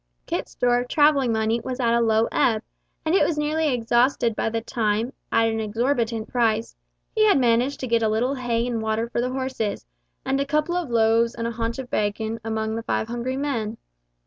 Kit's store of travelling money was at a low ebb, and it was nearly exhausted by the time, at an exorbitant price, he had managed to get a little hay and water for the horses, and a couple of loaves and a haunch of bacon among the five hungry men.